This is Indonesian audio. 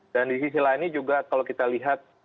dan di sisi lainnya juga kalau kita lihat